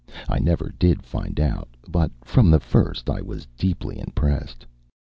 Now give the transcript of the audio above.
I never did find out, but from the first I was deeply impressed.